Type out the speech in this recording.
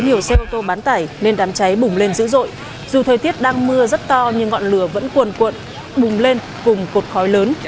dù thời tiết đang mưa rất to nhưng ngọn lửa vẫn cuồn cuộn bùng lên cùng cột khói lớn